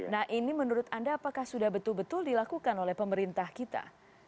nah ini menurut anda apakah sudah betul betul dilakukan oleh pemerintah kita